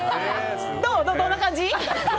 どんな感じ？